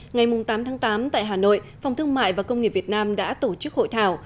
ngày tám tháng tám tại hà nội phòng thương mại và công nghiệp việt nam đã tổ chức hội thảo